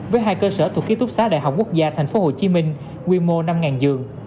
với hai cơ sở thuộc ký túc xá đại học quốc gia tp hcm quy mô năm giường